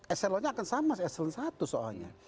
eselennya akan sama eselen satu soalnya